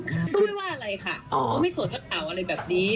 ก็ไม่ว่าอะไรค่ะเขาไม่สวดทับเต่าอะไรแบบนี้